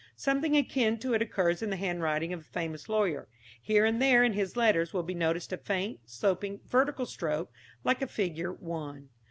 Something akin to it occurs in the handwriting of a famous lawyer. Here and there in his letters will be noticed a faint, sloping, vertical stroke, like a figure 1.